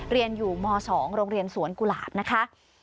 เรียนอยู่ม๒โรงเรียนสวนกุหลาบนะคะ